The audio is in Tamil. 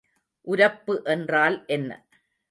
உரப்பு என்றால் என்ன?